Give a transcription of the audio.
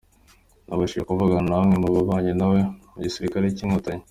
Nabashije kuvugana na bamwe mu babanye nawe mu gisirikare cy’Inkotanyi.